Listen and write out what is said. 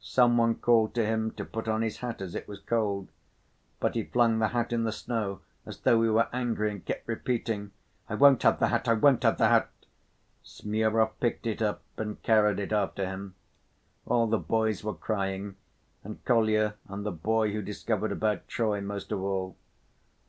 Some one called to him to put on his hat as it was cold. But he flung the hat in the snow as though he were angry and kept repeating, "I won't have the hat, I won't have the hat." Smurov picked it up and carried it after him. All the boys were crying, and Kolya and the boy who discovered about Troy most of all.